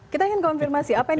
kita ingin konfirmasi apa yang